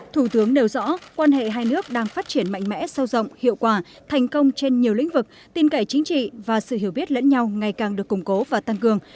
thủ tướng nêu rõ quan hệ hai nước đang phát triển mạnh mẽ sâu rộng hiệu quả thành công trên nhiều lĩnh vực tin cậy chính trị và sự hiểu biết lẫn nhau ngày càng được củng cố và tăng cường